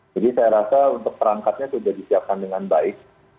jadi saya rasa untuk perangkatnya sudah disiapkan dengan baik